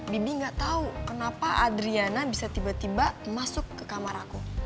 bibi nggak tahu kenapa adriana bisa tiba tiba masuk ke kamar aku